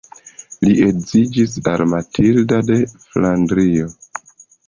Li edziĝis al Matilda de Flandrio.